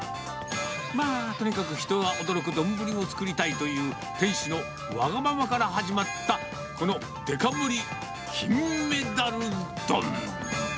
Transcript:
まあとにかく人が驚く丼を作りたいという、店主のわがままから始まったこのデカ盛り、金メダル丼。